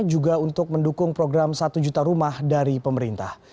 juga untuk mendukung program satu juta rumah dari pemerintah